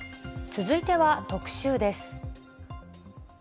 続いては、特集です。